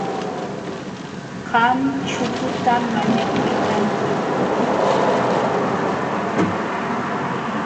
Qam chukutam mañakuykanki.,